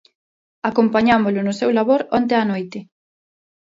Acompañámolo no seu labor onte á noite.